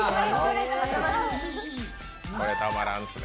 これ、たまらんすね。